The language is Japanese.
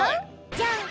じゃん！